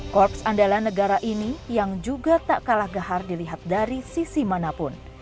korps andalan negara ini yang juga tak kalah gahar dilihat dari sisi manapun